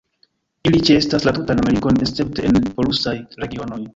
Ili ĉeestas la tutan Amerikon escepte en polusaj regionoj.